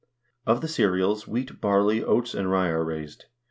Of the cereals wheat, barley, oats, and rye are raised.